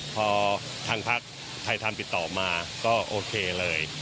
พอทางพักไทยทำติดต่อมาก็โอเคเลย